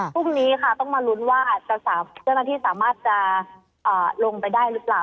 พรุ่งนี้ค่ะต้องมาลุ้นว่าเจ้าหน้าที่สามารถจะลงไปได้หรือเปล่า